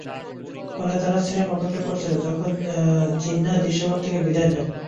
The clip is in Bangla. ফলে তারা স্রেফ অপেক্ষা করছিল, কখন জিন্নাহ দৃশ্যপট থেকে বিদায় নেন।